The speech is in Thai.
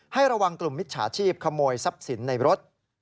ให้ระวังกลุ่มมิจฉาชีพขโมยทรัพย์สินในรถ